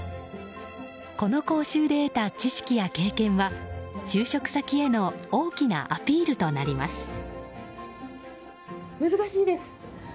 この講習で得た知識や経験は就職先への大きなアピールとなります。